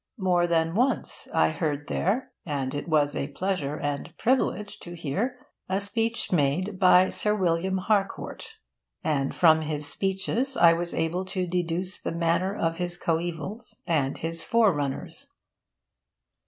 More than once, I heard there and it was a pleasure and privilege to hear a speech made by Sir William Harcourt. And from his speeches I was able to deduce the manner of his coevals and his forerunners.